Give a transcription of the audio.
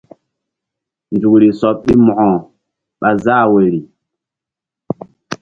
Nzukri sɔɓ ɗi Mo̧ko ɓa záh woyri.